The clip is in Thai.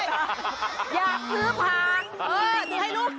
อยากซื้อพัก